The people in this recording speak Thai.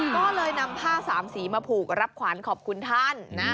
ก็เลยนำผ้าสามสีมาผูกรับขวานขอบคุณท่าน